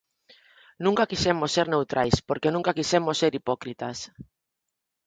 Nunca quixemos ser neutrais porque nunca quixemos ser hipócritas.